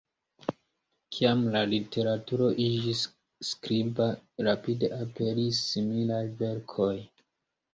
Kiam la literaturo iĝis skriba, rapide aperis similaj verkoj.